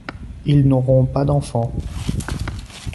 Ils n'auront pas d'enfant.